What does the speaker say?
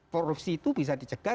korupsi itu bisa dicegah